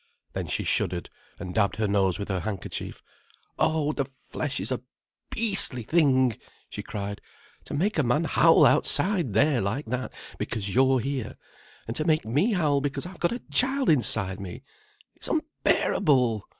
Then she shuddered, and dabbed her nose with her handkerchief. "Oh, the flesh is a beastly thing!" she cried. "To make a man howl outside there like that, because you're here. And to make me howl because I've got a child inside me. It's unbearable!